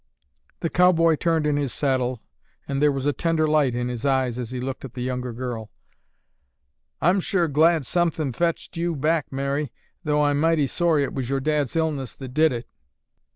The cowboy turned in his saddle and there was a tender light in his eyes as he looked at the younger girl. "I'm sure glad something fetched you back, Mary, though I'm mighty sorry it was your dad's illness that did it."